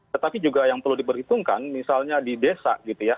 tetapi juga yang perlu diperhitungkan misalnya di desa